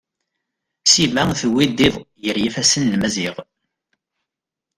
Sima tewwid iḍ gar yifasen n Maziɣ.